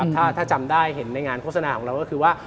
ถ้าจำได้เห็นในงานโฆษณาของเราก็คือว่า